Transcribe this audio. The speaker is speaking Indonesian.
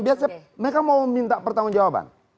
biasanya mereka mau minta pertanggung jawaban